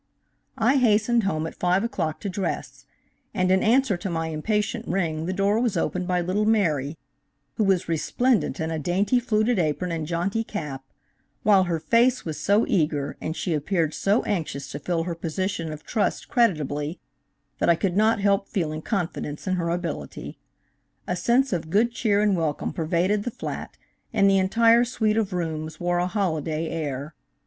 I hastened home at five o'clock to dress, and in answer to my impatient ring the door was opened by little Mary, who was resplendent in a dainty fluted apron and jaunty cap, while her face was so eager and she appeared so anxious to fill her position of trust creditably that I could not help feeling confidence in her ability. A sense of good cheer and welcome pervaded the flat, and the entire suite of rooms wore a holiday air.